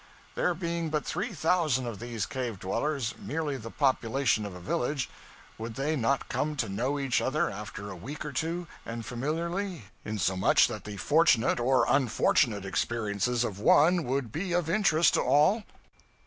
There being but three thousand of these cave dwellers merely the population of a village would they not come to know each other, after a week or two, and familiarly; insomuch that the fortunate or unfortunate experiences of one would be of interest to all?